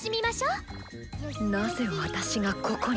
なぜ私がここに？